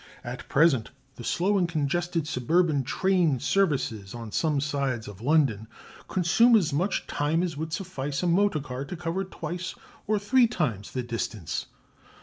At present the slow and congested suburban train services on some sides of London consume as much time as would suffice a motor car to cover twice or three times the distance.